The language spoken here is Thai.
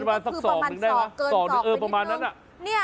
ประมาณสักสองหนึ่งแน่หรอสองหนึ่งเออประมาณนั้นน่ะเนี่ยค่ะ